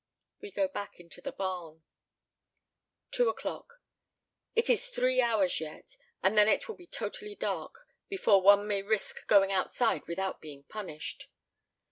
We go back into the barn. Two o'clock. It is three hours yet, and then it will be totally dark, before one may risk going outside without being punished.